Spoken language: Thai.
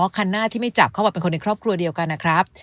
คันหน้าที่ไม่จับเขาบอกเป็นคนในครอบครัวเดียวกันนะครับ